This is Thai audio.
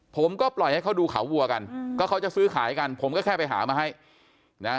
ผมก็ปล่อยให้เขาดูเขาวัวกันก็เขาจะซื้อขายกันผมก็แค่ไปหามาให้นะ